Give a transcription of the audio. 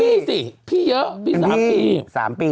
เป็นพี่สิพี่เยอะเป็นพี่๓ปี